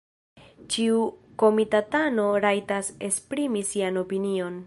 Ĉiu komitatano rajtas esprimi sian opinion.